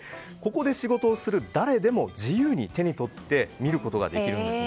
ここで仕事をする誰でも自由に手に取って見ることができるんです。